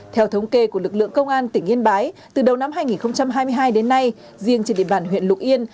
theo thống kê của lực lượng công an tỉnh yên bái từ đầu năm hai nghìn hai mươi hai đến nay riêng trên địa bàn huyện lục yên